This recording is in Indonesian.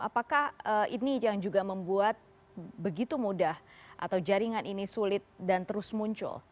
apakah ini yang juga membuat begitu mudah atau jaringan ini sulit dan terus muncul